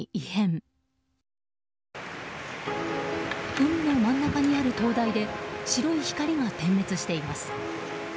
海の真ん中にある灯台で白い光が点滅しています。